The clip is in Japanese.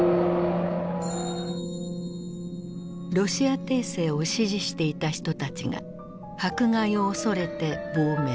ロシア帝政を支持していた人たちが迫害を恐れて亡命。